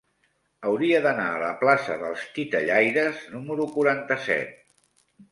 Hauria d'anar a la plaça dels Titellaires número quaranta-set.